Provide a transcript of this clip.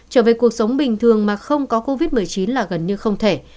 trở về cuộc sống bình thường mà không có covid một mươi chín là gần như không thể